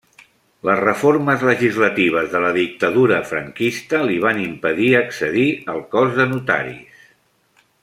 Les reformes legislatives de la dictadura franquista li van impedir accedir al cos de notaris.